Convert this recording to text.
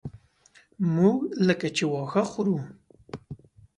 موږ لکه چې واښه خورو.